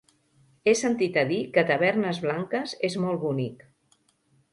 He sentit a dir que Tavernes Blanques és molt bonic.